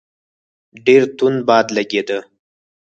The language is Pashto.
ډېر توند باد لګېدی.